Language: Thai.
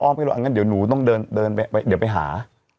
ไม่รู้อันนั้นเดี๋ยวหนูต้องเดินไปเดี๋ยวไปหา